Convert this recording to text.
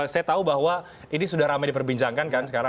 saya tahu bahwa ini sudah ramai diperbincangkan kan sekarang